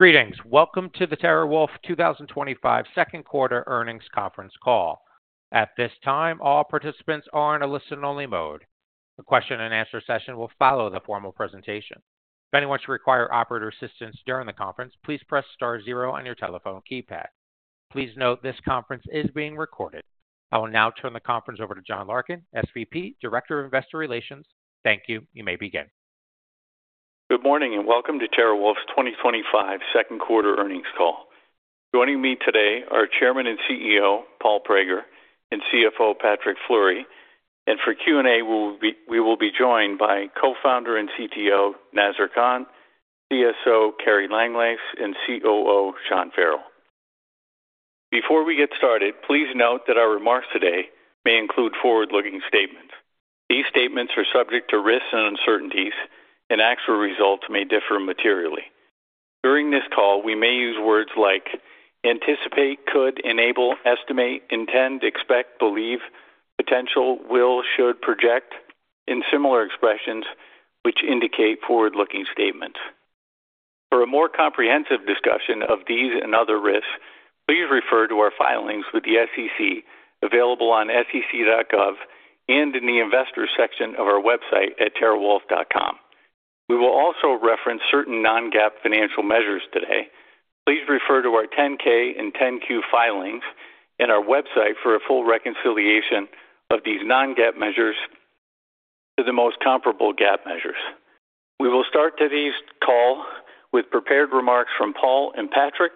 Greetings. Welcome to the TeraWulf 2025 second-quarter earnings conference call. At this time, all participants are in a listen-only mode. The question-and-answer session will follow the formal presentation. If anyone should require operator assistance during the conference, please press star zero on your telephone keypad. Please note this conference is being recorded. I will now turn the conference over to John Larkin, Senior Vice President, Director of Investor Relations. Thank you. You may begin. Good morning and welcome to TeraWulf's 2025 second-quarter earnings call. Joining me today are Chairman and CEO Paul Prager and CFO Patrick Fleury, and for Q&A, we will be joined by Co-Founder and CTO Nazar Khan, CSO Kerri Langlais, and COO Sean Farrell. Before we get started, please note that our remarks today may include forward-looking statements. These statements are subject to risks and uncertainties, and actual results may differ materially. During this call, we may use words like anticipate, could, enable, estimate, intend, expect, believe, potential, will, should, project, and similar expressions which indicate forward-looking statements. For a more comprehensive discussion of these and other risks, please refer to our filings with the SEC, available on sec.gov, and in the Investors section of our website at terawulf.com. We will also reference certain non-GAAP financial measures today. Please refer to our 10-K and 10-Q filings and our website for a full reconciliation of these non-GAAP measures to the most comparable GAAP measures. We will start today's call with prepared remarks from Paul and Patrick,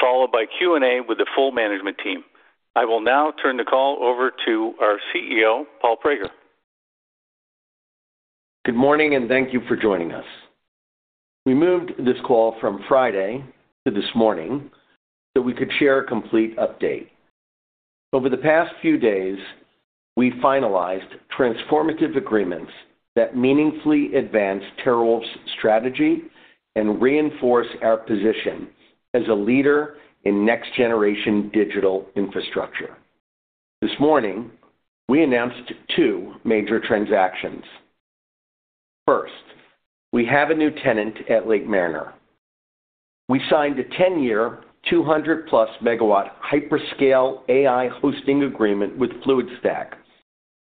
followed by Q&A with the full management team. I will now turn the call over to our CEO, Paul Prager. Good morning and thank you for joining us. We moved this call from Friday to this morning so we could share a complete update. Over the past few days, we finalized transformative agreements that meaningfully advance TeraWulf's strategy and reinforce our position as a leader in next-generation digital infrastructure. This morning, we announced two major transactions. First, we have a new tenant at Lake Mariner. We signed a 10-year, 200+ MW hyperscale AI hosting agreement with Fluidstack,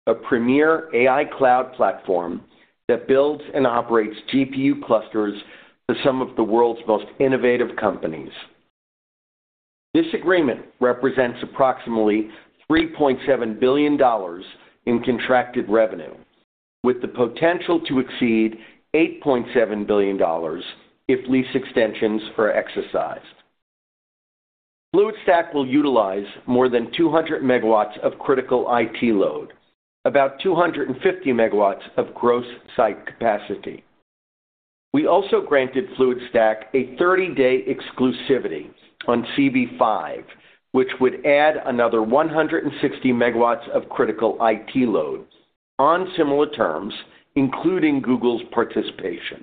a premier AI cloud platform that builds and operates GPU clusters for some of the world's most innovative companies. This agreement represents approximately $3.7 billion in contracted revenue, with the potential to exceed $8.7 billion if lease extensions are exercised. Fluidstack will utilize more than 200 MW of critical IT load, about 250 MW of gross site capacity. We also granted Fluidstack a 30-day exclusivity on CB-5, which would add another 160 MW of critical IT load on similar terms, including Google's participation.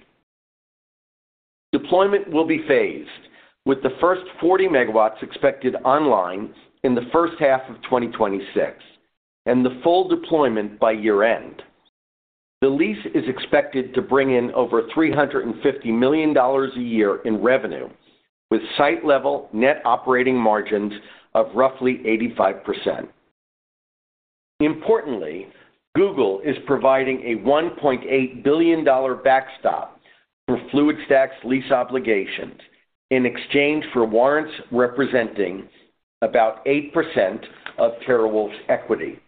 Deployment will be phased, with the first 40 MW expected online in the first half of 2026 and the full deployment by year-end. The lease is expected to bring in over $350 million a year in revenue, with site-level net operating margins of roughly 85%. Importantly, Google is providing a $1.8 billion backstop for Fluidstack's lease obligations in exchange for warrants representing about 8% of TeraWulf's equity,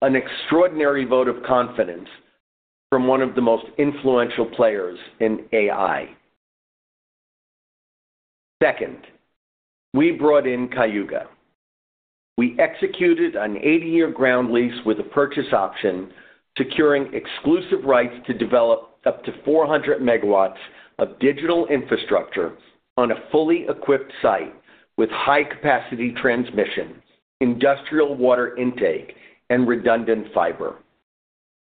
an extraordinary vote of confidence from one of the most influential players in AI. Second, we brought in Cayuga. We executed an 80-year ground lease with a purchase option, securing exclusive rights to develop up to 400 MW of digital infrastructure on a fully equipped site with high-capacity transmission, industrial water intake, and redundant fiber.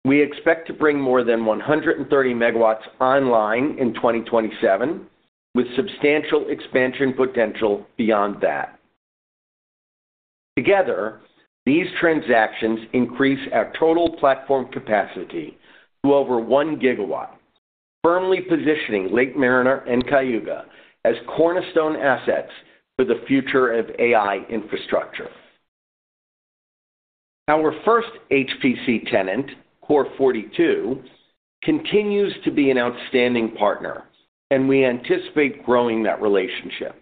We expect to bring more than 130 MW online in 2027, with substantial expansion potential beyond that. Together, these transactions increase our total platform capacity to over 1 GW, firmly positioning Lake Mariner and Cayuga as cornerstone assets for the future of AI infrastructure. Our first HPC tenant, Core42, continues to be an outstanding partner, and we anticipate growing that relationship.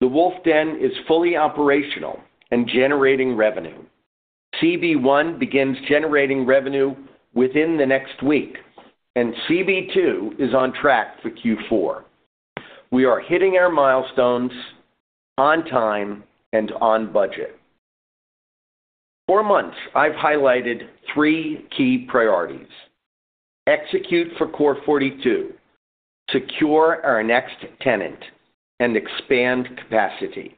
The WULF Den is fully operational and generating revenue. CB-1 begins generating revenue within the next week, and CB-2 is on track for Q4. We are hitting our milestones on time and on budget. For months, I've highlighted three key priorities: execute for Core42, secure our next tenant, and expand capacity.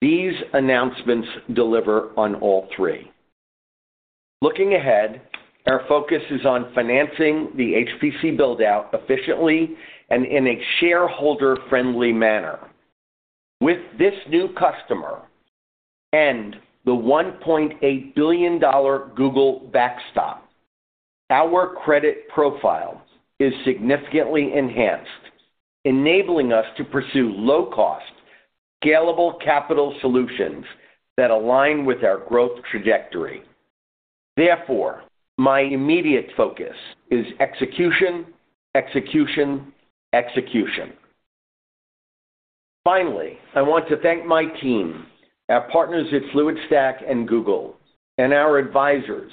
These announcements deliver on all three. Looking ahead, our focus is on financing the HPC build-out efficiently and in a shareholder-friendly manner. With this new customer and the $1.8 billion Google backstop, our credit profile is significantly enhanced, enabling us to pursue low-cost, scalable capital solutions that align with our growth trajectory. Therefore, my immediate focus is execution, execution, execution. Finally, I want to thank my team, our partners at Fluidstack and Google, and our advisors,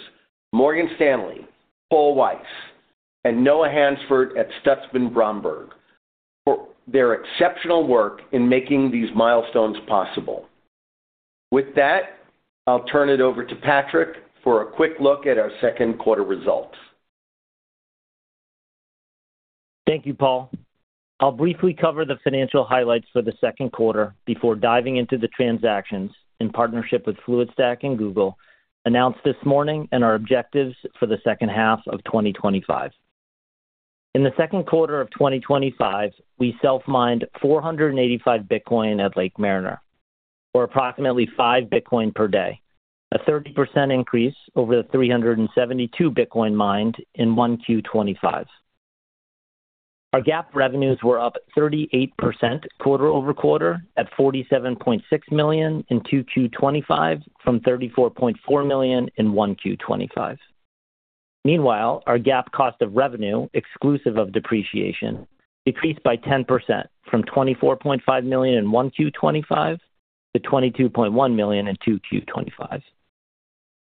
Morgan Stanley, Paul Weiss, and Noah Hansford at Stutzman Bromberg, for their exceptional work in making these milestones possible. With that, I'll turn it over to Patrick for a quick look at our second quarter results. Thank you, Paul. I'll briefly cover the financial highlights for the second quarter before diving into the transactions in partnership with Fluidstack and Google, announced this morning, and our objectives for the second half of 2025. In the second quarter of 2025, we self-mined 485 Bitcoin at Lake Mariner, or approximately 5 Bitcoin per day, a 30% increase over the 372 Bitcoin mined in 1Q 2025. Our GAAP revenues were up 38% quarter-over-quarter at $47.6 million in 2Q 2025, from $34.4 million in 1Q 2025. Meanwhile, our GAAP cost of revenue, exclusive of depreciation, decreased by 10% from $24.5 million in 1Q 2025 to $22.1 million in 2Q 2025.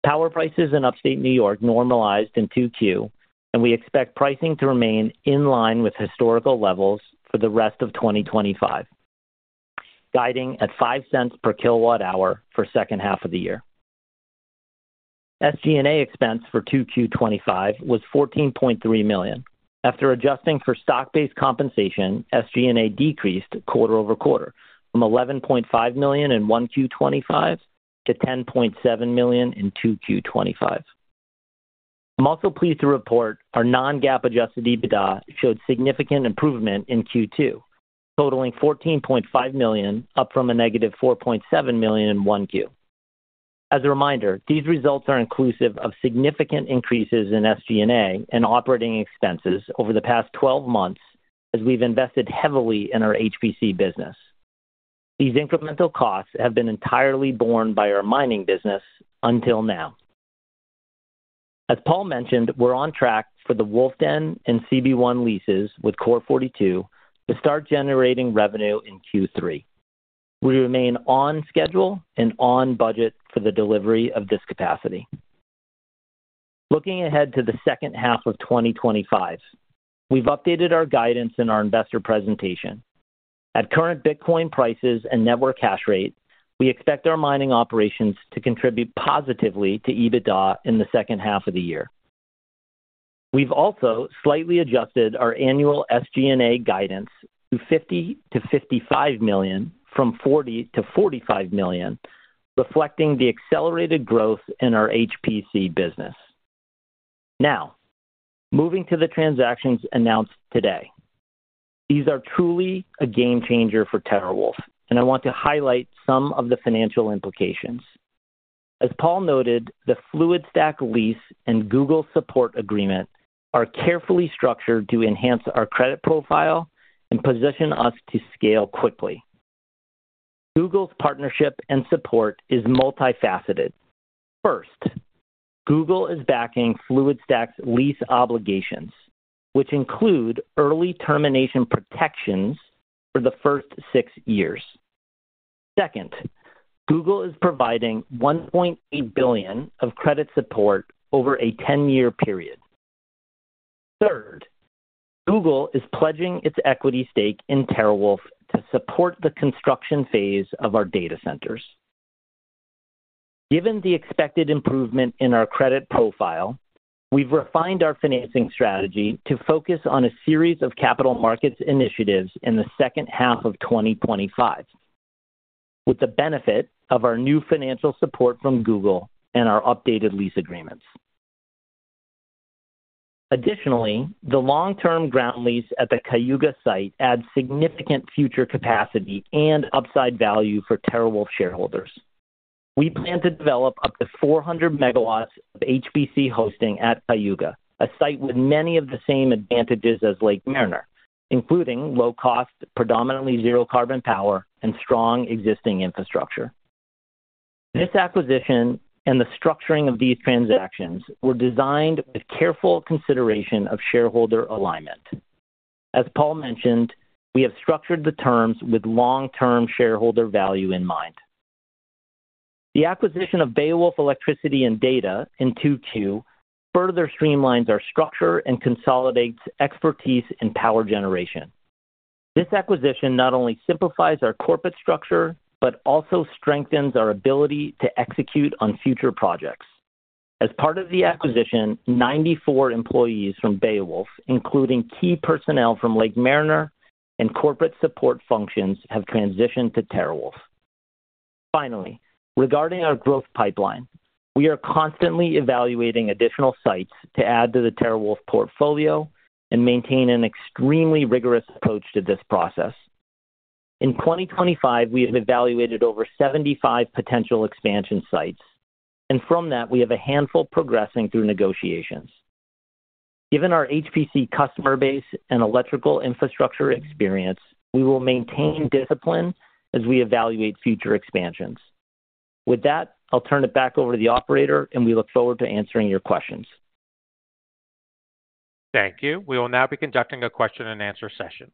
Power prices in upstate New York normalized in 2Q, and we expect pricing to remain in line with historical levels for the rest of 2025, guiding at $0.05 per kilowatt-hour for the second half of the year. SG&A expense for 2Q 2025 was $14.3 million. After adjusting for stock-based compensation, SG&A decreased quarter-over-quarter from $11.5 million in 1Q 2025 to $10.7 million in 2Q 2025. I'm also pleased to report our non-GAAP adjusted EBITDA showed significant improvement in Q2, totaling $14.5 million, up from a negative $4.7 million in 1Q. As a reminder, these results are inclusive of significant increases in SG&A and operating expenses over the past 12 months as we've invested heavily in our high-performance compute business. These incremental costs have been entirely borne by our mining business until now. As Paul mentioned, we're on track for the WULF Den and CB-1 leases with Core42 to start generating revenue in Q3. We remain on schedule and on budget for the delivery of this capacity. Looking ahead to the second half of 2025, we've updated our guidance in our investor presentation. At current Bitcoin prices and network hash rate, we expect our mining operations to contribute positively to EBITDA in the second half of the year. We've also slightly adjusted our annual SG&A guidance to $50 million-$55 million from $40 million-$45 million, reflecting the accelerated growth in our high-performance compute business. Now, moving to the transactions announced today, these are truly a game-changer for TeraWulf, and I want to highlight some of the financial implications. As Paul noted, the Fluidstack lease and Google support agreement are carefully structured to enhance our credit profile and position us to scale quickly. Google's partnership and support is multifaceted. First, Google is backing Fluidstack's lease obligations, which include early termination protections for the first six years. Second, Google is providing $1.8 billion of credit support over a 10-year period. Third, Google is pledging its equity stake in TeraWulf to support the construction phase of our data centers. Given the expected improvement in our credit profile, we've refined our financing strategy to focus on a series of capital markets initiatives in the second half of 2025, with the benefit of our new financial support from Google and our updated lease agreements. Additionally, the long-term ground lease at the Cayuga site adds significant future capacity and upside value for TeraWulf shareholders. We plan to develop up to 400 MW of high-performance compute hosting at Cayuga, a site with many of the same advantages as Lake Mariner, including low cost, predominantly zero-carbon power, and strong existing infrastructure. This acquisition and the structuring of these transactions were designed with careful consideration of shareholder alignment. As Paul mentioned, we have structured the terms with long-term shareholder value in mind. The acquisition of Beowulf Electricity and Data in Q2 further streamlines our structure and consolidates expertise in power generation. This acquisition not only simplifies our corporate structure but also strengthens our ability to execute on future projects. As part of the acquisition, 94 employees from Beowulf, including key personnel from Lake Mariner and corporate support functions, have transitioned to TeraWulf. Finally, regarding our growth pipeline, we are constantly evaluating additional sites to add to the TeraWulf portfolio and maintain an extremely rigorous approach to this process. In 2025, we have evaluated over 75 potential expansion sites, and from that, we have a handful progressing through negotiations. Given our high-performance compute customer base and electrical infrastructure experience, we will maintain discipline as we evaluate future expansions. With that, I'll turn it back over to the operator, and we look forward to answering your questions. Thank you. We will now be conducting a question-and-answer session.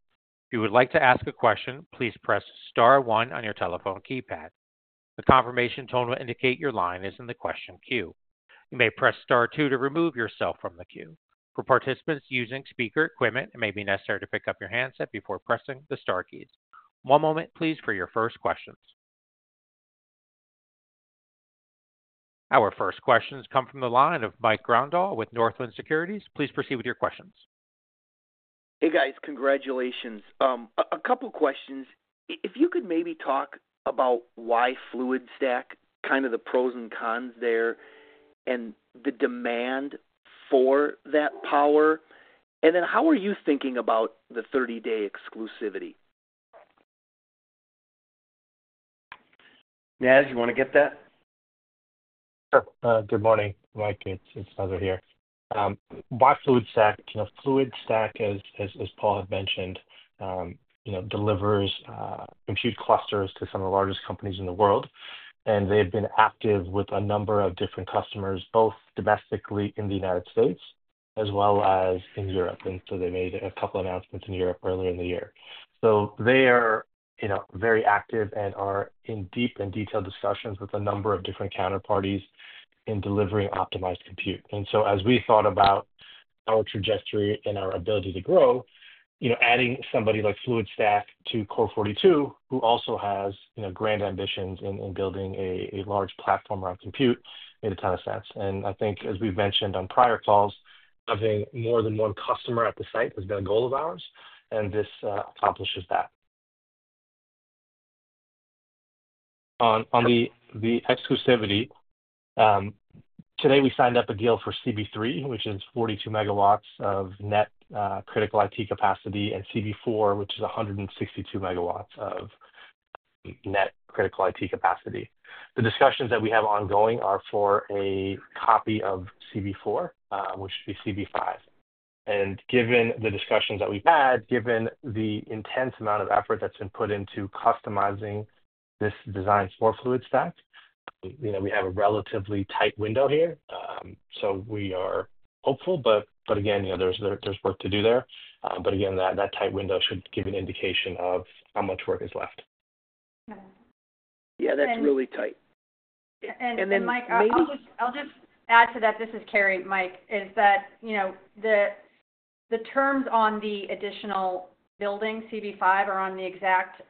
If you would like to ask a question, please press star one on your telephone keypad. A confirmation tone will indicate your line is in the question queue. You may press star two to remove yourself from the queue. For participants using speaker equipment, it may be necessary to pick up your handset before pressing the star keys. One moment, please, for your first questions. Our first questions come from the line of Mike Grondahl with Northland Securities. Please proceed with your questions. Hey, guys. Congratulations. A couple of questions. If you could maybe talk about why Fluidstack, kind of the pros and cons there, and the demand for that power, and then how are you thinking about the 30-day exclusivity? Naz, you want to get that? Sure. Good morning, Mike. It's Nazar here. Why Fluidstack? Fluidstack, as Paul had mentioned, delivers compute clusters to some of the largest companies in the world, and they have been active with a number of different customers, both domestically in the United States as well as in Europe. They made a couple of announcements in Europe earlier in the year. They are very active and are in deep and detailed discussions with a number of different counterparties in delivering optimized compute. As we thought about our trajectory and our ability to grow, adding somebody like Fluidstack to Core42, who also has grand ambitions in building a large platform around compute, made a ton of sense. I think, as we've mentioned on prior calls, having more than one customer at the site has been a goal of ours, and this accomplishes that. On the exclusivity, today we signed up a deal for CB-3, which is 42 MW of net critical IT capacity, and CB-4, which is 162 MW of net critical IT capacity. The discussions that we have ongoing are for a copy of CB-4, which would be CB-5. Given the discussions that we've had, given the intense amount of effort that's been put into customizing this design for Fluidstack, we have a relatively tight window here. We are hopeful, but again, there's work to do there. That tight window should give an indication of how much work is left. Yeah, that's really tight. Mike, I'll just add to that. This is Kerri, Mike, the terms on the additional building, CB-5, are on the exact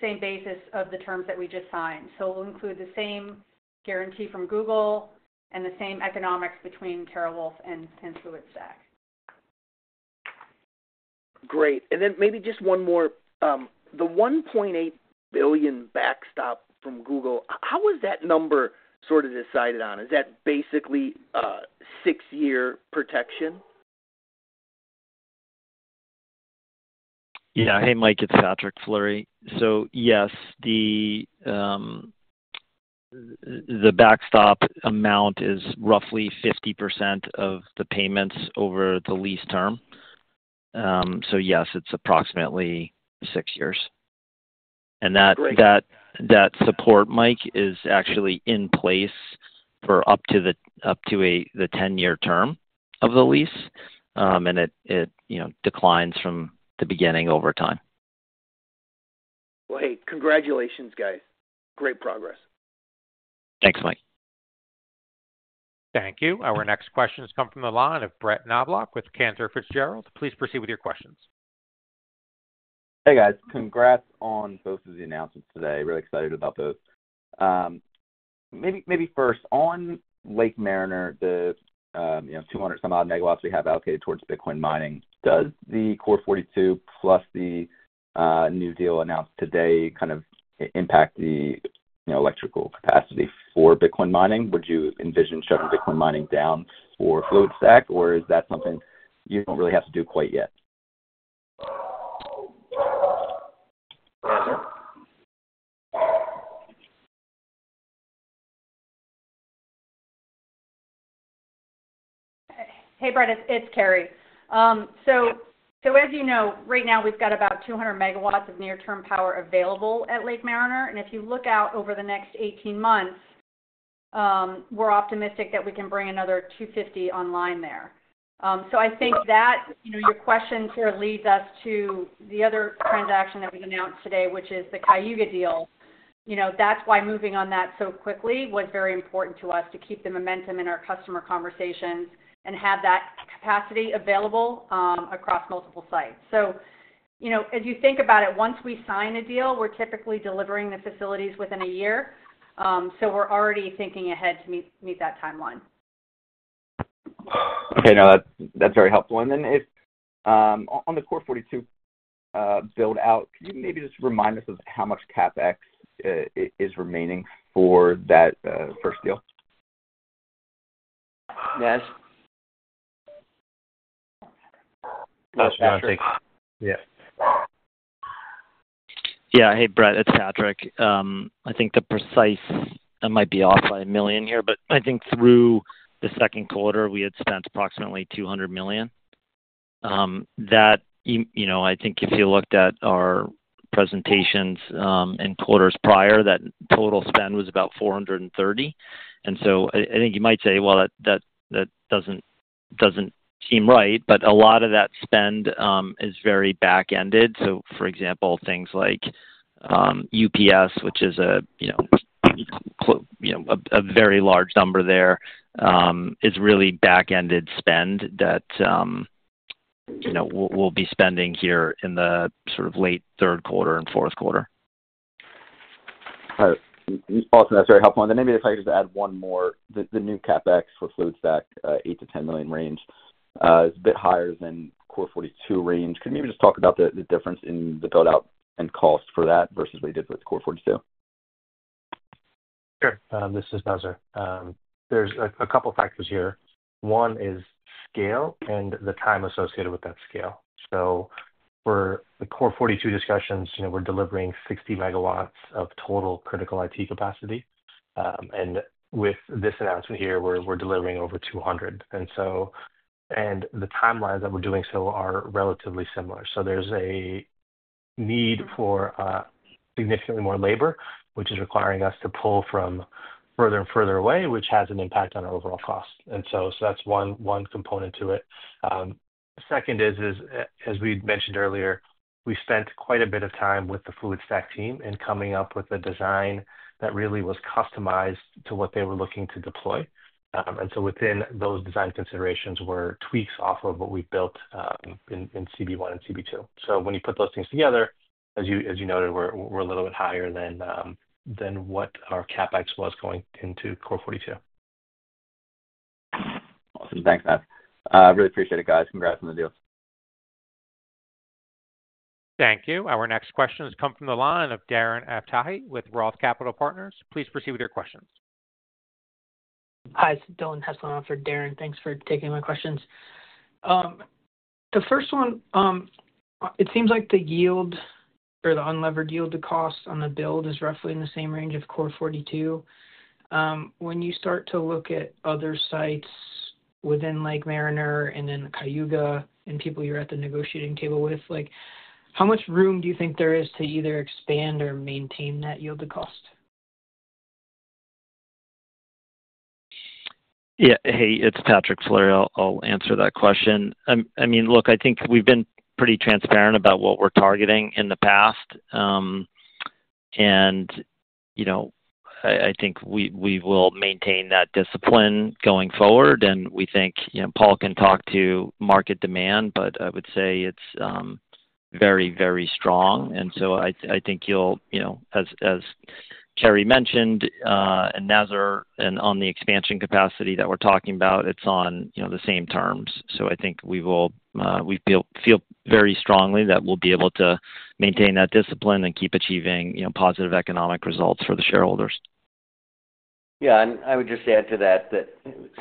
same basis of the terms that we just signed. We'll include the same guarantee from Google and the same economics between TeraWulf and Fluidstack. Great. Maybe just one more. The $1.8 billion backstop from Google, how was that number sort of decided on? Is that basically a six-year protection? Hey, Mike, it's Patrick Fleury. Yes, the backstop amount is roughly 50% of the payments over the lease term. Yes, it's approximately six years, and that support, Mike, is actually in place for up to the 10-year term of the lease. It declines from the beginning over time. Congratulations, guys. Great progress. Thanks, Mike. Thank you. Our next questions come from the line of Brett Knoblauch with Cantor Fitzgerald. Please proceed with your questions. Hey, guys. Congrats on both of the announcements today. Really excited about those. Maybe first, on Lake Mariner, the 200-some-odd MW we have allocated towards Bitcoin mining, does the Core42 plus the new deal announced today kind of impact the electrical capacity for Bitcoin mining? Would you envision shutting Bitcoin mining down for Fluidstack, or is that something you don't really have to do quite yet? Hey, Brett, it's Kerri. As you know, right now we've got about 200 MW of near-term power available at Lake Mariner. If you look out over the next 18 months, we're optimistic that we can bring another 250 online there. I think that your question here leads us to the other transaction that was announced today, which is the Cayuga deal. That's why moving on that so quickly was very important to us to keep the momentum in our customer conversations and have that capacity available across multiple sites. As you think about it, once we sign a deal, we're typically delivering the facilities within a year. We're already thinking ahead to meet that timeline. Okay. No, that's very helpful. If on the Core42 build-out, could you maybe just remind us of how much CapEx is remaining for that first deal? Yes. Yeah. Hey, Brett, it's Patrick. I think the precise, I might be off by a million here, but I think through the second quarter, we had spent approximately $200 million. That, you know, I think if you looked at our presentations in quarters prior, that total spend was about $430 million. I think you might say, that doesn't seem right, but a lot of that spend is very back-ended. For example, things like UPS, which is a very large number there, is really back-ended spend that we'll be spending here in the sort of late third quarter and fourth quarter. Awesome. That's very helpful. Maybe if I could just add one more, the new CapEx for Fluidstack, $8 million-$10 million range, is a bit higher than the Core42 range. Could you maybe just talk about the difference in the build-out and cost for that versus what they did with the Core42? Sure. There are a couple of factors here. One is scale and the time associated with that scale. For the Core42 discussions, we're delivering 60 MW of total critical IT capacity, and with this announcement here, we're delivering over 200. The timelines that we're doing still are relatively similar. There is a need for significantly more labor, which is requiring us to pull from further and further away, which has an impact on our overall cost. That is one component to it. Second is, as we mentioned earlier, we spent quite a bit of time with the Fluidstack team in coming up with a design that really was customized to what they were looking to deploy. Within those design considerations were tweaks off of what we've built in CB-1 and CB-2. When you put those things together, as you noted, we're a little bit higher than what our CapEx was going into Core42. Awesome. Thanks, Matt. Really appreciate it, guys. Congrats on the deals. Thank you. Our next questions come from the line of Darren Aftahi with ROTH Capital Partners. Please proceed with your questions. Hi. Dillon Heslin for Darren. Thanks for taking my questions. The first one, it seems like the yield or the unlevered yield to cost on the build is roughly in the same range of Core42. When you start to look at other sites within Lake Mariner and then Cayuga and people you're at the negotiating table with, how much room do you think there is to either expand or maintain that yield to cost? Yeah. Hey, it's Patrick Fleury. I'll answer that question. I mean, look, I think we've been pretty transparent about what we're targeting in the past. I think we will maintain that discipline going forward. We think Paul can talk to market demand, but I would say it's very, very strong. I think you'll, as Kerri mentioned and Nazar, and on the expansion capacity that we're talking about, it's on the same terms. I think we will, we feel very strongly that we'll be able to maintain that discipline and keep achieving positive economic results for the shareholders. I would just add to that that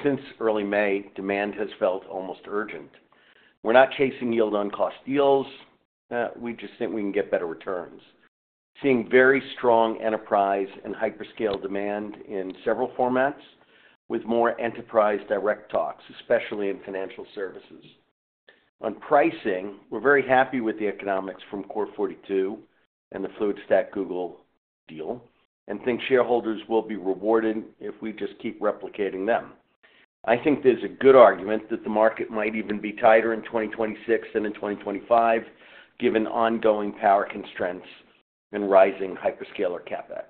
since early May, demand has felt almost urgent. We're not chasing yield on cost deals. We just think we can get better returns. Seeing very strong enterprise and hyperscale demand in several formats with more enterprise direct talks, especially in financial services. On pricing, we're very happy with the economics from Core42 and the Fluidstack Google deal, and think shareholders will be rewarded if we just keep replicating them. I think there's a good argument that the market might even be tighter in 2026 than in 2025, given ongoing power constraints and rising hyperscaler CapEx.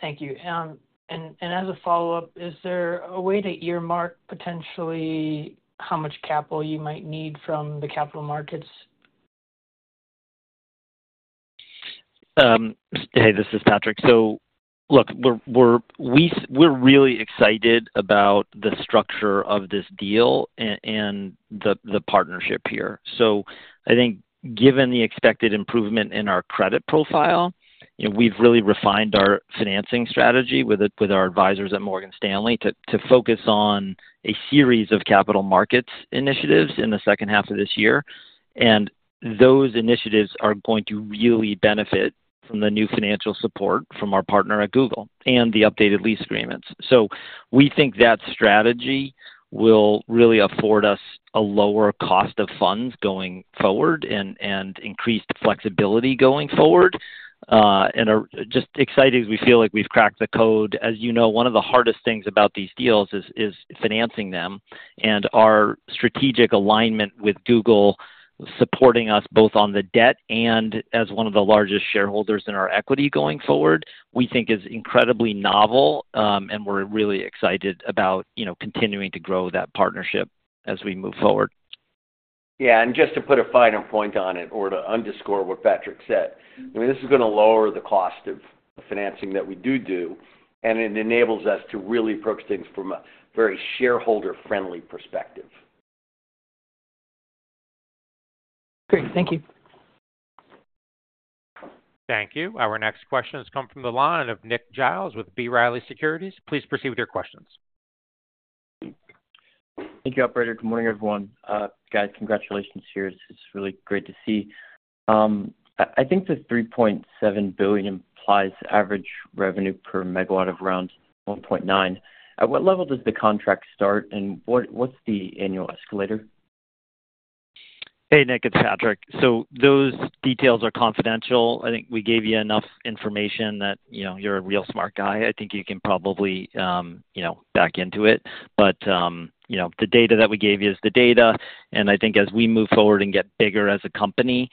Thank you. As a follow-up, is there a way to earmark potentially how much capital you might need from the capital markets? Hey, this is Patrick. We're really excited about the structure of this deal and the partnership here. I think given the expected improvement in our credit profile, we've really refined our financing strategy with our advisors at Morgan Stanley to focus on a series of capital markets initiatives in the second half of this year. Those initiatives are going to really benefit from the new financial support from our partner at Google and the updated lease agreements. We think that strategy will really afford us a lower cost of funds going forward and increased flexibility going forward. We're just excited as we feel like we've cracked the code. As you know, one of the hardest things about these deals is financing them. Our strategic alignment with Google, supporting us both on the debt and as one of the largest shareholders in our equity going forward, we think, is incredibly novel. We're really excited about continuing to grow that partnership as we move forward. Yeah. Just to put a finer point on it or to underscore what Patrick said, this is going to lower the cost of financing that we do. It enables us to really approach things from a very shareholder-friendly perspective. Great. Thank you. Thank you. Our next questions come from the line of Nick Giles with B. Riley Securities. Please proceed with your questions. Thank you, operator. Good morning, everyone. Guys, congratulations here. This is really great to see. I think the $3.7 billion implies average revenue per megawatt of around $1.9 million. At what level does the contract start and what's the annual escalator? Hey, Nick, it's Patrick. Those details are confidential. I think we gave you enough information that you're a real smart guy. I think you can probably back into it. The data that we gave you is the data. As we move forward and get bigger as a company,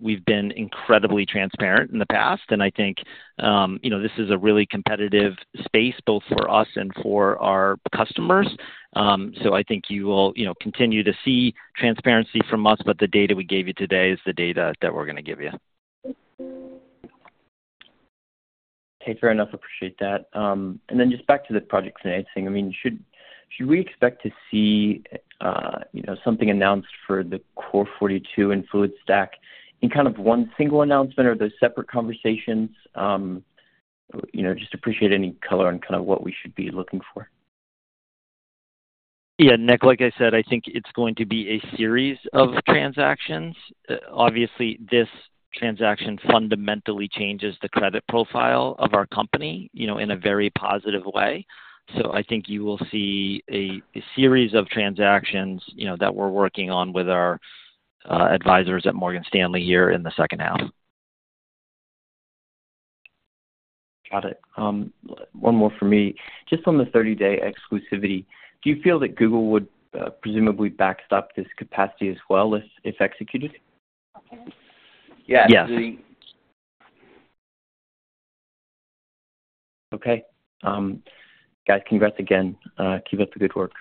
we've been incredibly transparent in the past. This is a really competitive space both for us and for our customers. I think you will continue to see transparency from us, but the data we gave you today is the data that we're going to give you. Fair enough. Appreciate that. Just back to the project financing, should we expect to see something announced for the Core42 and Fluidstack in one single announcement, or are those separate conversations? Appreciate any color on what we should be looking for. Yeah, Nick, like I said, I think it's going to be a series of transactions. Obviously, this transaction fundamentally changes the credit profile of our company in a very positive way. I think you will see a series of transactions that we're working on with our advisors at Morgan Stanley here in the second half. Got it. One more for me. Just on the 30-day exclusivity, do you feel that Google would presumably backstop this capacity as well if executed? Yeah. Okay, guys, congrats again. Keep up the good work.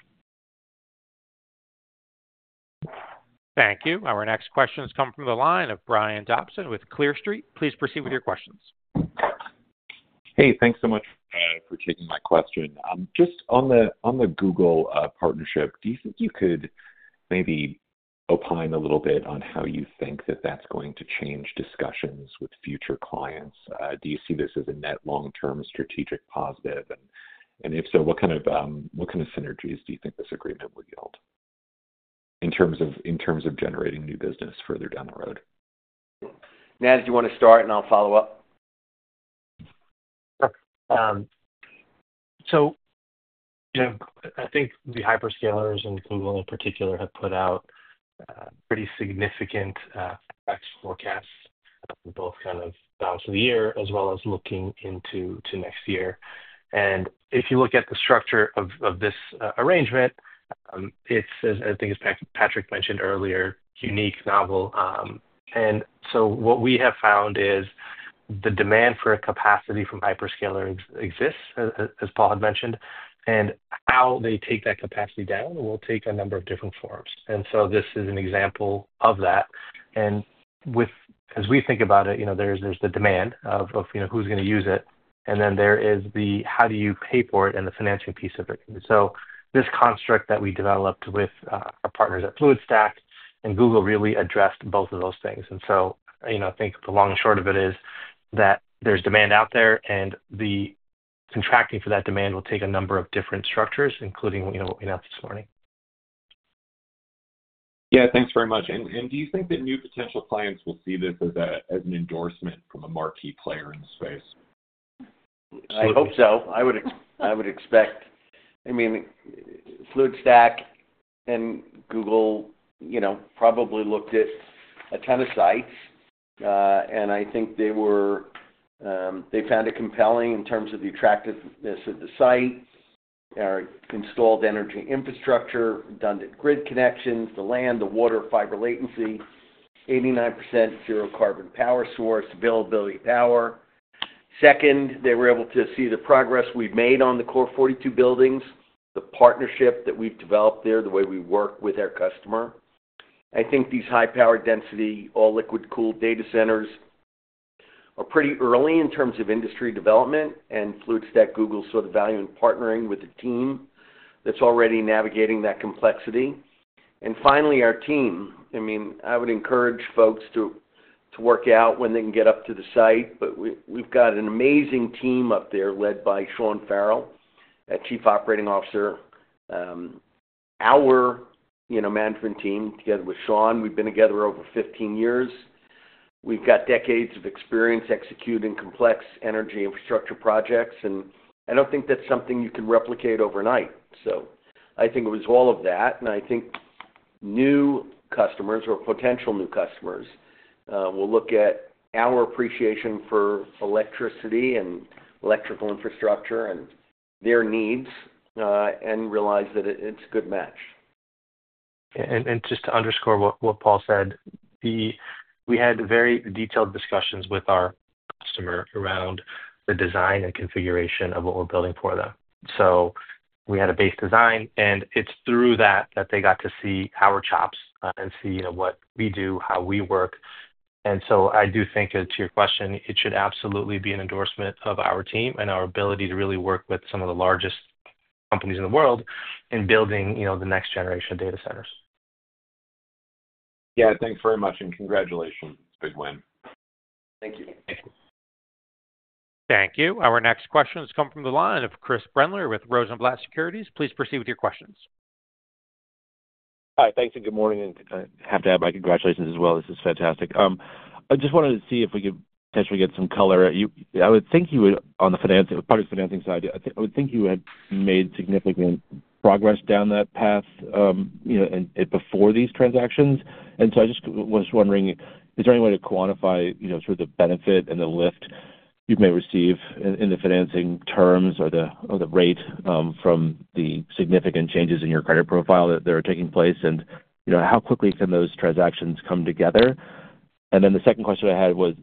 Thank you. Our next questions come from the line of Brian Dobson with Clear Street. Please proceed with your questions. Hey, thanks so much for taking my question. Just on the Google partnership, do you think you could maybe opine a little bit on how you think that that's going to change discussions with future clients? Do you see this as a net long-term strategic positive? If so, what kind of synergies do you think this agreement will yield in terms of generating new business further down the road? Naz, do you want to start, and I'll follow up? Sure. I think the hyperscalers and Google in particular have put out pretty significant forecasts both for the balance of the year as well as looking into next year. If you look at the structure of this arrangement, it is, I think, as Patrick mentioned earlier, unique and novel. What we have found is the demand for capacity from hyperscalers exists, as Paul had mentioned. How they take that capacity down will take a number of different forms. This is an example of that. As we think about it, there is the demand of who's going to use it, and then there is the how do you pay for it and the financing piece of it. This construct that we developed with our partners at Fluidstack and Google really addressed both of those things. I think the long and short of it is that there's demand out there, and the contracting for that demand will take a number of different structures, including what we announced this morning. Yeah, thanks very much. Do you think that new potential clients will see this as an endorsement from a marquee player in the space? I hope so. I would expect. I mean, Fluidstack and Google, you know, probably looked at a ton of sites. I think they found it compelling in terms of the attractiveness of the site, our installed energy infrastructure, redundant grid connections, the land, the water, fiber latency, 89% zero-carbon power source, availability of power. They were able to see the progress we've made on the Core42 buildings, the partnership that we've developed there, the way we work with our customer. I think these high-power density, all-liquid-cooled data centers are pretty early in terms of industry development, and Fluidstack, Google saw the value in partnering with a team that's already navigating that complexity. Finally, our team, I would encourage folks to work out when they can get up to the site, but we've got an amazing team up there led by Sean Farrell, our Chief Operating Officer, our management team, together with Sean. We've been together over 15 years. We've got decades of experience executing complex energy infrastructure projects, and I don't think that's something you can replicate overnight. I think it was all of that. I think new customers or potential new customers will look at our appreciation for electricity and electrical infrastructure, and their needs, and realize that it's a good match. To underscore what Paul said, we had very detailed discussions with our customer around the design and configuration of what we're building for them. We had a base design, and through that, they got to see our chops and see what we do, how we work. I do think, to your question, it should absolutely be an endorsement of our team and our ability to really work with some of the largest companies in the world in building the next generation of data centers. Yeah, thanks very much, and congratulations. It's a big win. Thank you. Thank you. Our next questions come from the line of Chris Brendler with Rosenblatt Securities. Please proceed with your questions. Hi, thanks, and good morning. I have to add my congratulations as well. This is fantastic. I just wanted to see if we could potentially get some color. I would think you would, on the public financing side, I would think you had made significant progress down that path before these transactions. I just was wondering, is there any way to quantify the benefit and the lift you may receive in the financing terms or the rate from the significant changes in your credit profile that are taking place, and how quickly can those transactions come together? The second question I had was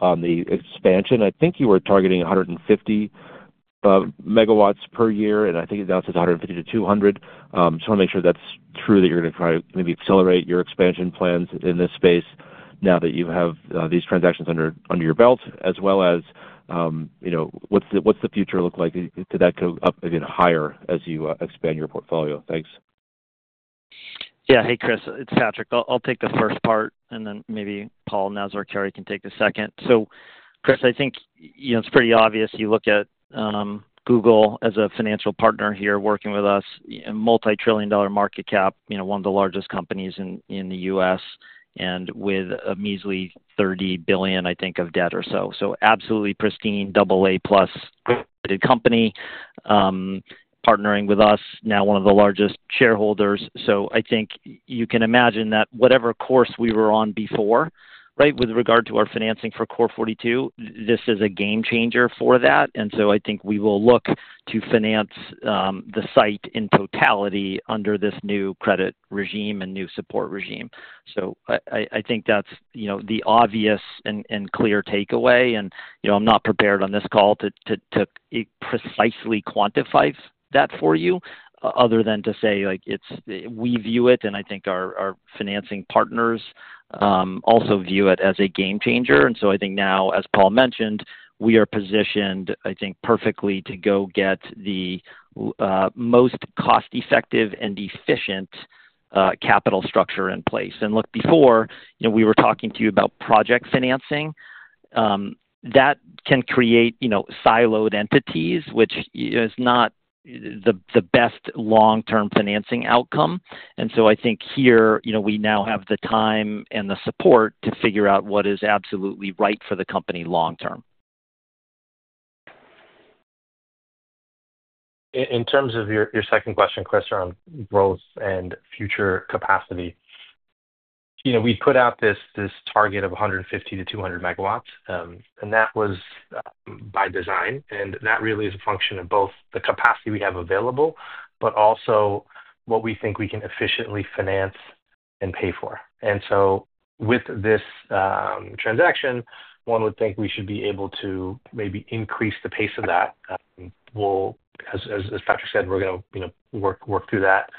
on the expansion. I think you were targeting 150 MW per year, and I think it now says 150-200 MW. I just want to make sure that's true, that you're going to try to maybe accelerate your expansion plans in this space now that you have these transactions under your belt, as well as what's the future look like? Did that go up again higher as you expand your portfolio? Thanks. Yeah. Hey, Chris. It's Patrick. I'll take the first part, and then maybe Paul, Naz, or Kerri can take the second. Chris, I think, you know, it's pretty obvious. You look at Google as a financial partner here working with us, a multi-trillion dollar market cap, you know, one of the largest companies in the U.S., and with a measly $30 billion, I think, of debt or so. Absolutely pristine AA+ company partnering with us, now one of the largest shareholders. I think you can imagine that whatever course we were on before, right, with regard to our financing for Core42, this is a game-changer for that. I think we will look to finance the site in totality under this new credit regime and new support regime. That's, you know, the obvious and clear takeaway. I'm not prepared on this call to precisely quantify that for you, other than to say, like, we view it, and I think our financing partners also view it as a game changer. I think now, as Paul mentioned, we are positioned, I think, perfectly to go get the most cost-effective and efficient capital structure in place. Look, before, you know, we were talking to you about project financing. That can create, you know, siloed entities, which is not the best long-term financing outcome. I think here, you know, we now have the time and the support to figure out what is absolutely right for the company long term. In terms of your second question, Chris, around growth and future capacity, you know, we put out this target of 150-200 MW, and that was by design. That really is a function of both the capacity we have available, but also what we think we can efficiently finance and pay for. With this transaction, one would think we should be able to maybe increase the pace of that. As Patrick said, we're going to work through that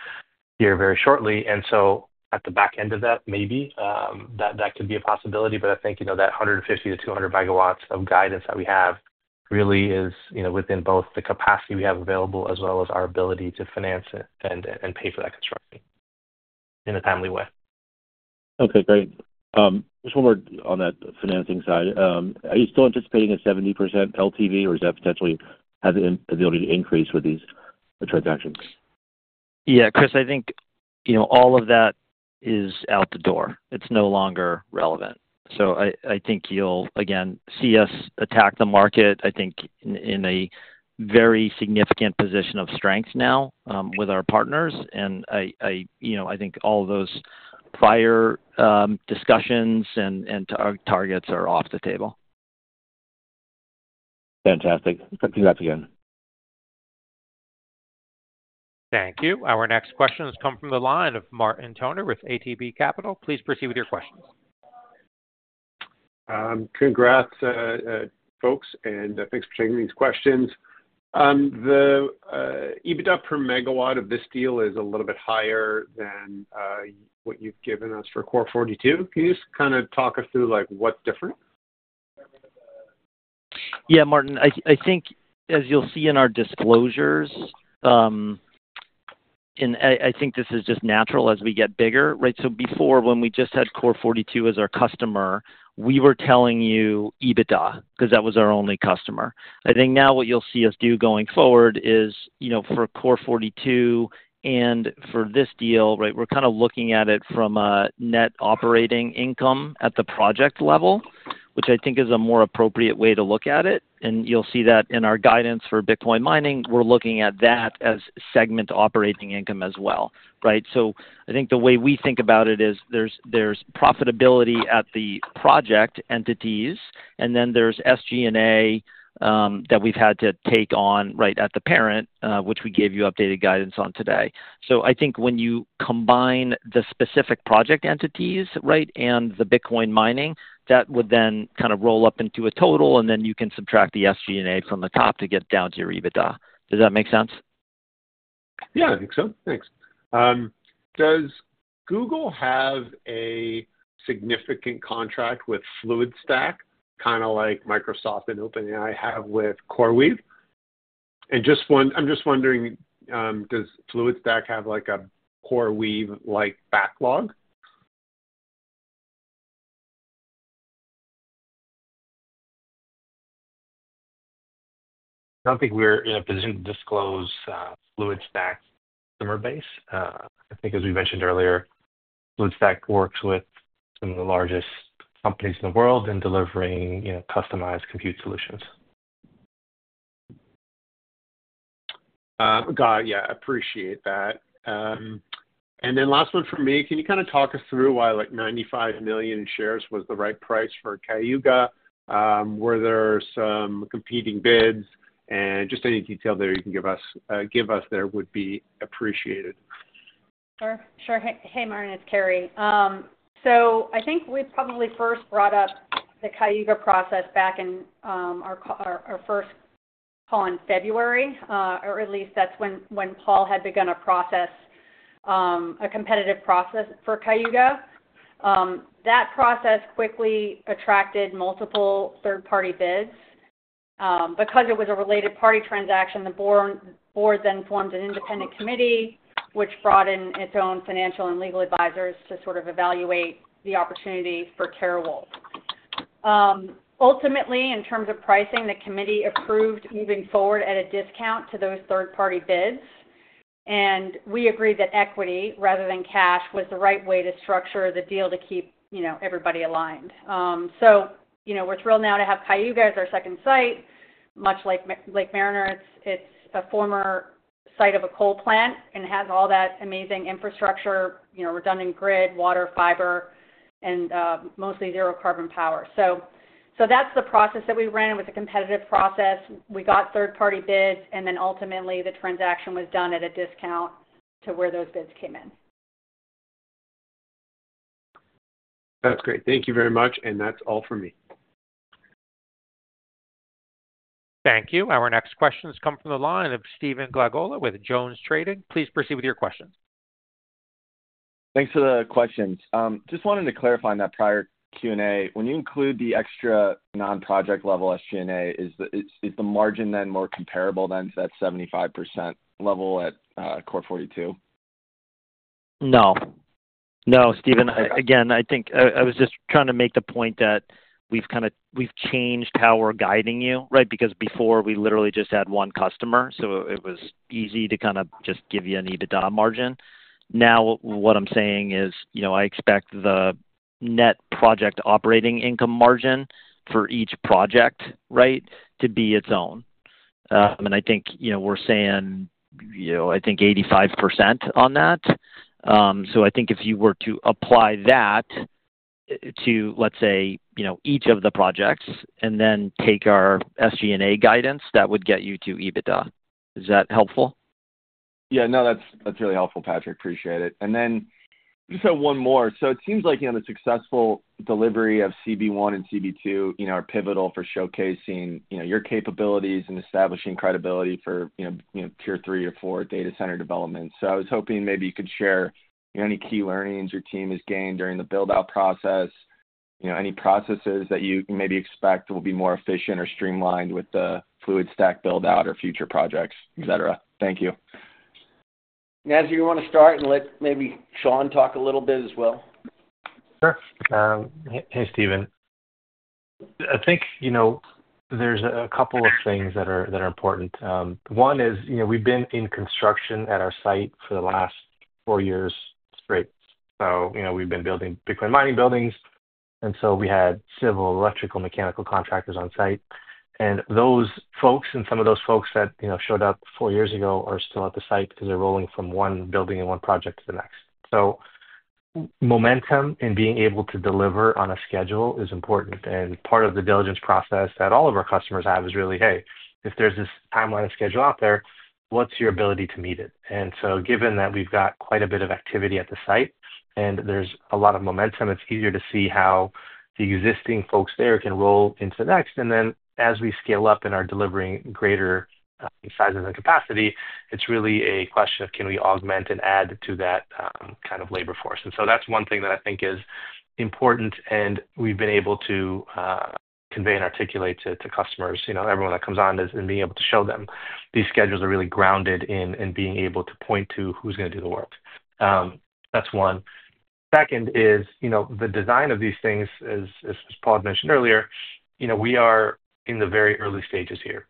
here very shortly. At the back end of that, maybe that could be a possibility. I think, you know, that 150-200 MW of guidance that we have really is, you know, within both the capacity we have available as well as our ability to finance it and pay for that construction in a timely way. Okay, great. Just one more on that financing side. Are you still anticipating a 70% LTV, or is that potentially having the ability to increase with these transactions? Yeah, Chris, I think all of that is out the door. It's no longer relevant. I think you'll again see us attack the market. I think in a very significant position of strength now with our partners. I think all of those prior discussions and targets are off the table. Fantastic. Back to you again. Thank you. Our next questions come from the line of Martin Toner with ATB Capital. Please proceed with your questions. Congrats, folks, and thanks for taking these questions. The EBITDA per MW of this deal is a little bit higher than what you've given us for Core42. Can you just kind of talk us through, like, what's different? Yeah, Martin, I think as you'll see in our disclosures, and I think this is just natural as we get bigger, right? Before, when we just had Core42 as our customer, we were telling you EBITDA because that was our only customer. I think now what you'll see us do going forward is, you know, for Core42 and for this deal, we're kind of looking at it from a net operating income at the project level, which I think is a more appropriate way to look at it. You'll see that in our guidance for Bitcoin mining, we're looking at that as segment operating income as well, right? I think the way we think about it is there's profitability at the project entities, and then there's SG&A that we've had to take on at the parent, which we gave you updated guidance on today. I think when you combine the specific project entities and the Bitcoin mining, that would then kind of roll up into a total, and then you can subtract the SG&A from the top to get down to your EBITDA. Does that make sense? Yeah, I think so. Thanks. Does Google have a significant contract with Fluidstack, kind of like Microsoft and OpenAI have with CoreWeave? I'm just wondering, does Fluidstack have like a CoreWeave-like backlog? I don't think we're in a position to disclose Fluidstack's customer base. I think, as we mentioned earlier, Fluidstack works with some of the largest companies in the world in delivering customized compute solutions. Got it. Yeah, I appreciate that. Last one from me. Can you kind of talk us through why, like, 95 million shares was the right price for Cayuga? Were there some competing bids? Any detail you can give us there would be appreciated. Sure. Hey, Martin, it's Kerri. I think we probably first brought up the Cayuga process back in our first call in February, or at least that's when Paul had begun a process, a competitive process for Cayuga. That process quickly attracted multiple third-party bids. Because it was a related party transaction, the board then formed an independent committee, which brought in its own financial and legal advisors to sort of evaluate the opportunity for TeraWulf. Ultimately, in terms of pricing, the committee approved moving forward at a discount to those third-party bids. We agreed that equity rather than cash was the right way to structure the deal to keep, you know, everybody aligned. We're thrilled now to have Cayuga as our second site. Much like Lake Mariner, it's a former site of a coal plant and has all that amazing infrastructure, you know, redundant grid, water, fiber, and mostly zero-carbon power. That's the process that we ran. It was a competitive process. We got third-party bids, and ultimately the transaction was done at a discount to where those bids came in. That's great. Thank you very much. That's all for me. Thank you. Our next questions come from the line of Stephen Glagola with Jones Trading. Please proceed with your questions. Thanks for the questions. Just wanted to clarify in that prior Q&A, when you include the extra non-project level SG&A, is the margin then more comparable to that 75% level at Core42? No. No, Stephen. I think I was just trying to make the point that we've kind of changed how we're guiding you, right? Because before we literally just had one customer, so it was easy to kind of just give you an EBITDA margin. Now what I'm saying is, I expect the net project operating income margin for each project to be its own. I think we're saying, I think 85% on that. If you were to apply that to, let's say, each of the projects and then take our SG&A guidance, that would get you to EBITDA. Is that helpful? Yeah, no, that's really helpful, Patrick. Appreciate it. I just have one more. It seems like the successful delivery of CB-1 and CB-2 are pivotal for showcasing your capabilities and establishing credibility for tier three or four data center development. I was hoping maybe you could share any key learnings your team has gained during the build-out process, any processes that you maybe expect will be more efficient or streamlined with the Fluidstack build-out or future projects, etc. Thank you. Naz, do you want to start and let maybe Sean talk a little bit as well? Sure. Hey, Stephen. I think there's a couple of things that are important. One is we've been in construction at our site for the last four years straight. We've been building Bitcoin mining buildings, and we had civil, electrical, mechanical contractors on site. Some of those folks that showed up four years ago are still at the site because they're rolling from one building and one project to the next. Momentum and being able to deliver on a schedule is important. Part of the diligence process that all of our customers have is really, hey, if there's this timeline and schedule out there, what's your ability to meet it? Given that we've got quite a bit of activity at the site and there's a lot of momentum, it's easier to see how the existing folks there can roll into the next. As we scale up and are delivering greater sizes of capacity, it's really a question of can we augment and add to that kind of labor force. That's one thing that I think is important. We've been able to convey and articulate to customers, everyone that comes on is being able to show them these schedules are really grounded in being able to point to who's going to do the work. That's one. Second is the design of these things. As Paul had mentioned earlier, we are in the very early stages here.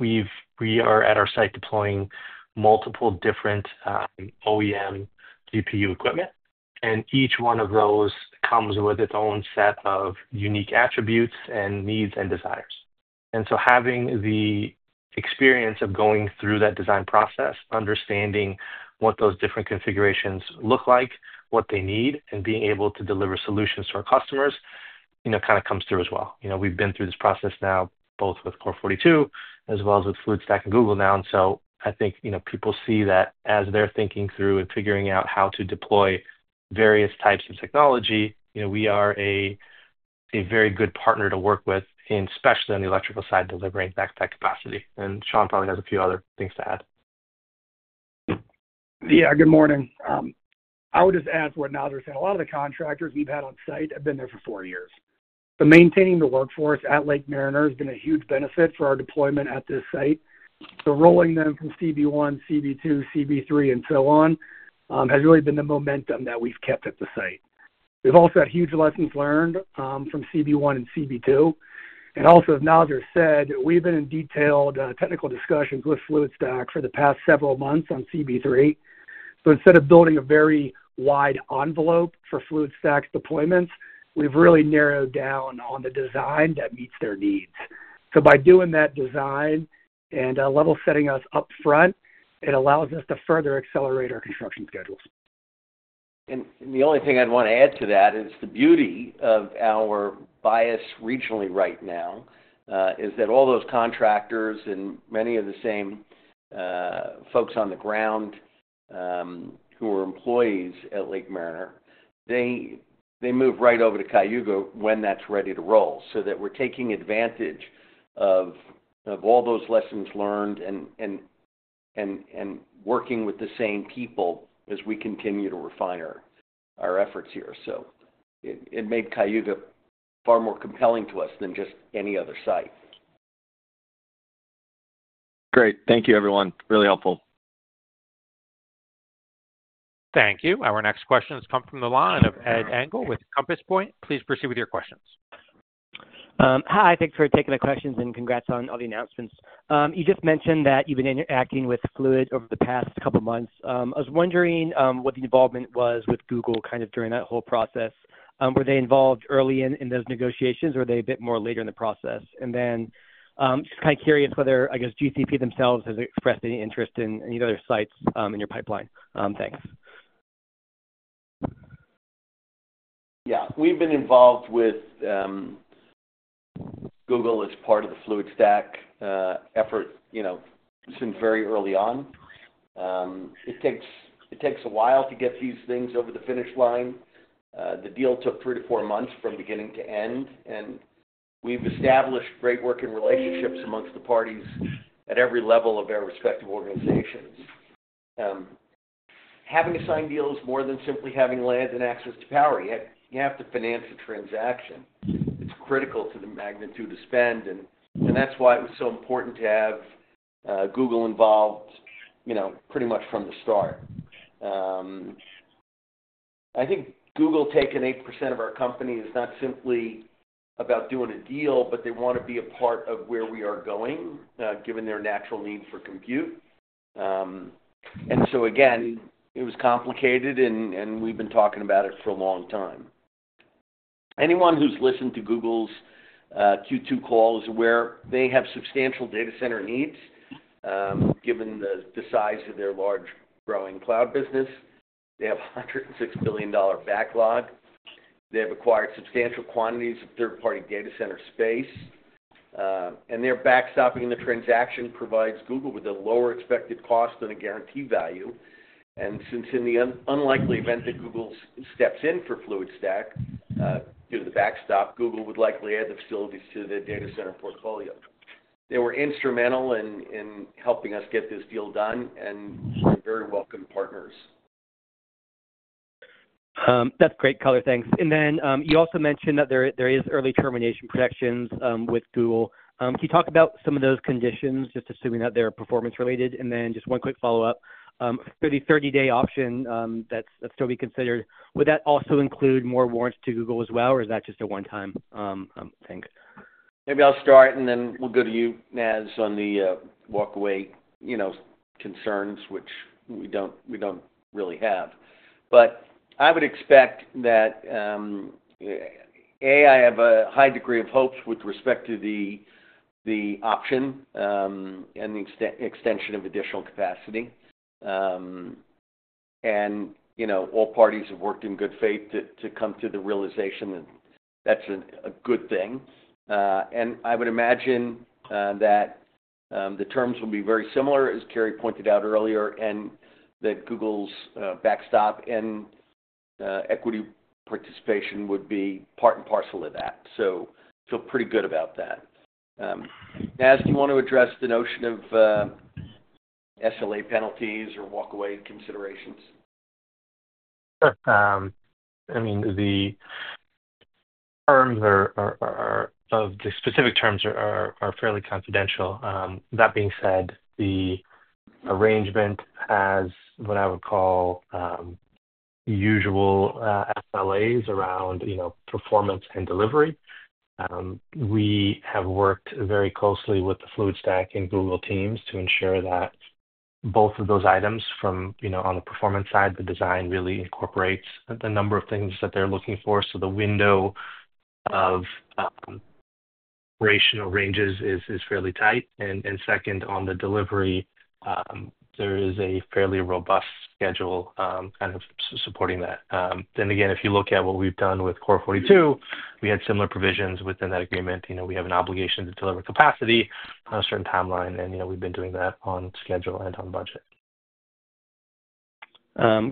We are at our site deploying multiple different OEM GPU equipment, and each one of those comes with its own set of unique attributes and needs and desires. Having the experience of going through that design process, understanding what those different configurations look like, what they need, and being able to deliver solutions to our customers kind of comes through as well. We've been through this process now both with Core42 as well as with Fluidstack and Google now. I think people see that as they're thinking through and figuring out how to deploy various types of technology. We are a very good partner to work with, especially on the electrical side, delivering back-to-back capacity. Sean probably has a few other things to add. Yeah, good morning. I would just add to what Nazar was saying, a lot of the contractors we've had on site have been there for four years. Maintaining the workforce at Lake Mariner has been a huge benefit for our deployment at this site. Rolling them from CB-1, CB-2, CB-3, and so on has really been the momentum that we've kept at the site. We've also had huge lessons learned from CB-1 and CB-2. As Nazar said, we've been in detailed technical discussions with Fluidstack for the past several months on CB-3. Instead of building a very wide envelope for Fluidstack's deployments, we've really narrowed down on the design that meets their needs. By doing that design and level-setting us up front, it allows us to further accelerate our construction schedules. The only thing I'd want to add to that is the beauty of our bias regionally right now is that all those contractors and many of the same folks on the ground who are employees at Lake Mariner, they move right over to Cayuga when that's ready to roll. We are taking advantage of all those lessons learned and working with the same people as we continue to refine our efforts here. It made Cayuga far more compelling to us than just any other site. Great. Thank you, everyone. Really helpful. Thank you. Our next questions come from the line of Ed Engel with Compass Point. Please proceed with your questions. Hi. Thanks for taking the questions, and congrats on all the announcements. You just mentioned that you've been interacting with Fluidstack over the past couple of months. I was wondering what the involvement was with Google, Inc. kind of during that whole process. Were they involved early in those negotiations, or were they a bit more later in the process? I'm just kind of curious whether, I guess, GCP themselves has expressed any interest in any of their sites in your pipeline. Thanks. Yeah. We've been involved with Google as part of the Fluidstack effort since very early on. It takes a while to get these things over the finish line. The deal took three to four months from beginning to end, and we've established great working relationships amongst the parties at every level of their respective organizations. Having to sign deals is more than simply having land and access to power. You have to finance a transaction. It's critical to the magnitude of spend. That's why it was so important to have Google involved pretty much from the start. I think Google taking 8% of our company is not simply about doing a deal, but they want to be a part of where we are going, given their natural need for compute. It was complicated, and we've been talking about it for a long time. Anyone who's listened to Google's Q2 call is aware they have substantial data center needs, given the size of their large growing cloud business. They have a $106 billion backlog. They have acquired substantial quantities of third-party data center space. Their backstopping in the transaction provides Google with a lower expected cost than a guaranteed value. Since in the unlikely event that Google steps in for Fluidstack due to the backstop, Google would likely add the facilities to the data center portfolio. They were instrumental in helping us get this deal done and very welcome partners. That's great color. Thanks. You also mentioned that there are early termination protections with Google. Can you talk about some of those conditions, just assuming that they're performance-related? Just one quick follow-up. If there's a 30-day option that's still to be considered, would that also include more warrants to Google as well, or is that just a one-time thing? Maybe I'll start, and then we'll go to you, Naz, on the walk-away concerns, which we don't really have. I would expect that I have a high degree of hopes with respect to the option and the extension of additional capacity. All parties have worked in good faith to come to the realization that that's a good thing. I would imagine that the terms will be very similar, as Kerri pointed out earlier, and that Google's backstop and equity participation would be part and parcel of that. I feel pretty good about that. Naz, do you want to address the notion of SLA penalties or walk-away considerations? Sure. I mean, the terms are, the specific terms are fairly confidential. That being said, the arrangement has what I would call usual SLAs around, you know, performance and delivery. We have worked very closely with the Fluidstack and Google teams to ensure that both of those items from, you know, on the performance side, the design really incorporates the number of things that they're looking for. The window of operational ranges is fairly tight. On the delivery, there is a fairly robust schedule kind of supporting that. If you look at what we've done with Core42, we had similar provisions within that agreement. We have an obligation to deliver capacity on a certain timeline, and we've been doing that on schedule and on budget.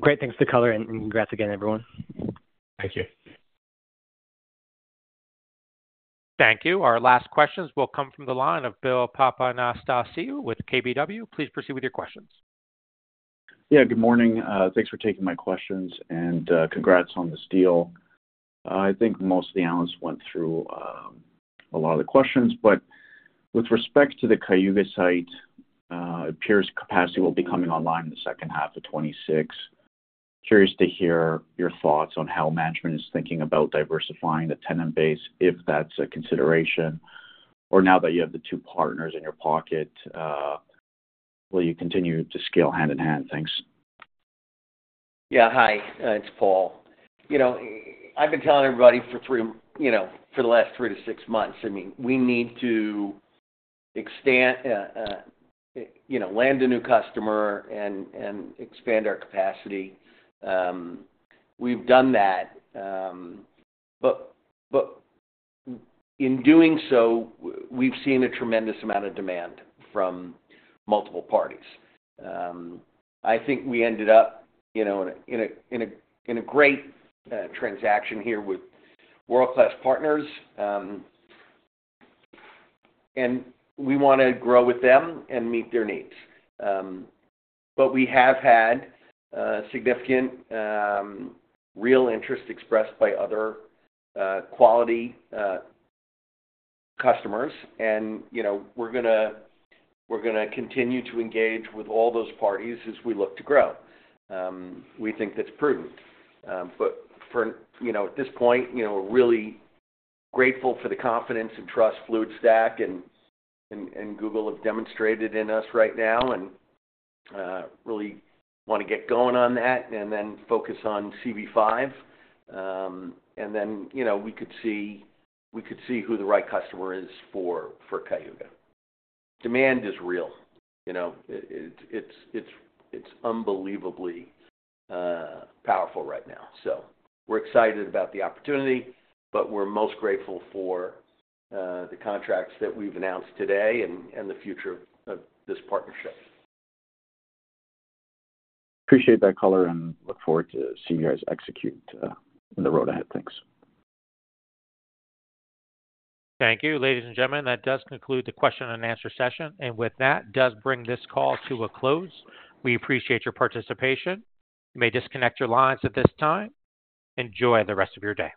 Great. Thanks for the color, and congrats again, everyone. Thank you. Thank you. Our last questions will come from the line of Bill Papanastasiou with KBW. Please proceed with your questions. Good morning. Thanks for taking my questions, and congrats on this deal. I think most of the analysts went through a lot of the questions, but with respect to the Cayuga site, it appears capacity will be coming online in the second half of 2026. Curious to hear your thoughts on how management is thinking about diversifying the tenant base, if that's a consideration, or now that you have the two partners in your pocket, will you continue to scale hand in hand? Thanks. Yeah, hi. It's Paul. I've been telling everybody for the last 3-6 months, I mean, we need to land a new customer and expand our capacity. We've done that. In doing so, we've seen a tremendous amount of demand from multiple parties. I think we ended up in a great transaction here with world-class partners. We want to grow with them and meet their needs. We have had significant real interest expressed by other quality customers. We're going to continue to engage with all those parties as we look to grow. We think that's prudent. At this point, we're really grateful for the confidence and trust Fluidstack and Google have demonstrated in us right now, and really want to get going on that and then focus on CB-5. We could see who the right customer is for Cayuga. Demand is real. It's unbelievably powerful right now. We're excited about the opportunity, but we're most grateful for the contracts that we've announced today and the future of this partnership. Appreciate that color and look forward to seeing you guys execute in the road ahead. Thanks. Thank you, ladies and gentlemen. That does conclude the question-and-answer session. With that, this does bring this call to a close. We appreciate your participation. You may disconnect your lines at this time. Enjoy the rest of your day.